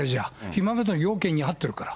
今までの要件に合ってるから。